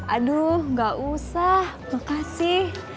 aduh enggak usah makasih